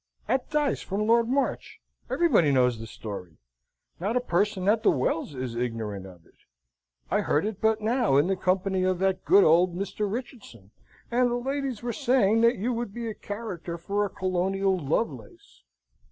"At dice, from Lord March. Everybody knows the story. Not a person at the Wells is ignorant of it. I heard it but now, in the company of that good old Mr. Richardson, and the ladies were saying that you would be a character for a colonial Lovelace."